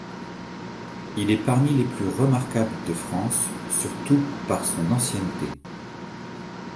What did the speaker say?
Il est parmi les plus remarquables de France, surtout par son ancienneté.